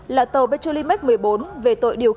là tàu petrolimax một mươi bốn